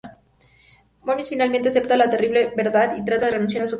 Morbius, finalmente, acepta la terrible verdad y trata de renunciar a su creación.